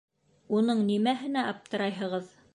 Уның нимәһенә аптырайһығыҙ?